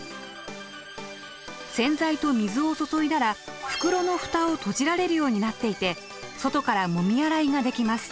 洗剤と水を注いだら袋のふたを閉じられるようになっていて外からもみ洗いができます。